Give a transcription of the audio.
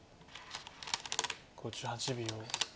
５８秒。